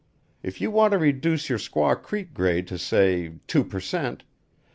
If you want to reduce your Squaw Creek grade to say two per cent.